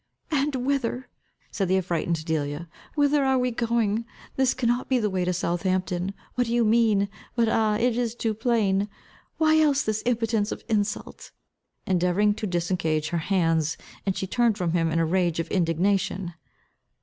"And whither," said the affrighted Delia, "whither are we going? This cannot be the way to Southampton. What do you mean? But ah, it is too plain! Why else this impotence of insult?" endeavouring to disengage her hands. And she turned from him in a rage of indignation.